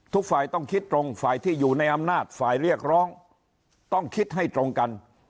ทุกฝ่ายต้องคิดตรงฝ่ายที่อยู่ในอำนาจฝ่ายเรียกร้องต้องคิดให้ตรงกัน